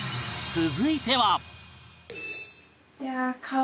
続いては